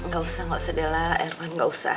gak usah gak usah dela irfan gak usah